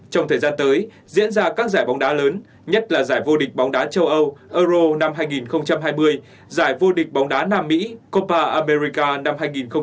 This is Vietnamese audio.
trong thời gian tới diễn ra các giải bóng đá lớn nhất là giải vô địch bóng đá châu âu euro năm hai nghìn hai mươi giải vô địch bóng đá nam mỹ copa aberiaca năm hai nghìn hai mươi